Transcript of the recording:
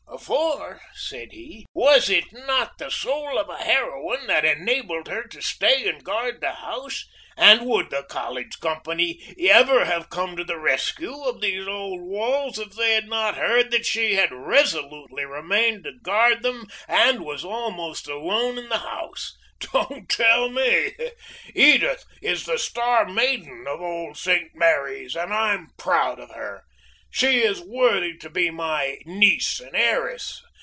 "For," said he, "was it not the soul of a heroine that enabled her to stay and guard the house; and would the college company ever have come to the rescue of these old walls if they had not heard that she had resolutely remained to guard them and was almost alone in the house? Don't tell me! Edith is the star maiden of old St. Mary's, and I'm proud of her! She is worthy to be my niece and heiress!